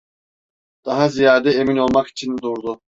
Daha ziyade emin olmak için durdu.